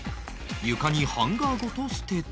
床にハンガーごと捨てて